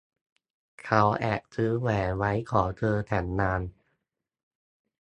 เขาแอบซื้อแหวนไว้ขอเธอแต่งงาน